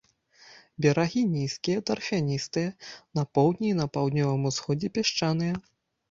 Берагі нізкія, тарфяністыя, на поўдні і паўднёвым усходзе пясчаныя.